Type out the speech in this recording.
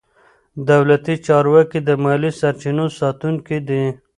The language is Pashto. دولتي چارواکي د مالي سرچینو ساتونکي دي.